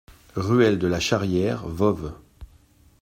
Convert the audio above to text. Ruelle de la Charrière, Voves